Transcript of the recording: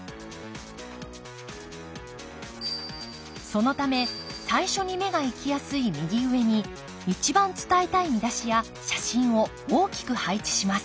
そのため最初に目がいきやすい右上に一番伝えたい見出しや写真を大きく配置します。